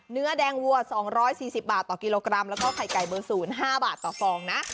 เนื้อแดงวัว๒๔๐บาทต่อกิโลกรัมแล้วก็ไข่ไก่เบอร์๐๕บาทต่อฟองนะ